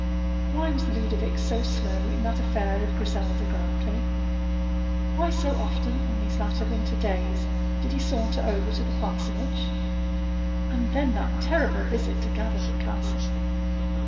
Why was Ludovic so slow in that affair of Griselda Grantly? why so often in these latter winter days did he saunter over to the parsonage? And then that terrible visit to Gatherum Castle!